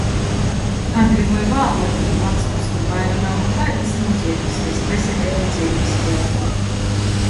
Agri voi vālu atīt vacums, kod vaira nav nikaidys nūzeimis vest veseleigu dzeivis veidu.